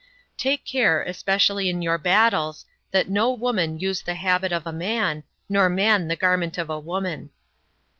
43, Take care, especially in your battles, that no woman use the habit of a man, nor man the garment of a woman.